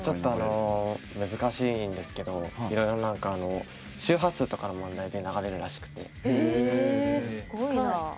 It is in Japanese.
難しいんですけどいろいろ周波数とかの問題で流れるらしくて。